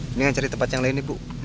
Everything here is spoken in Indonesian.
mendingan cari tempat yang lain ibu